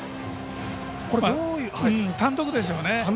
単独ですよね。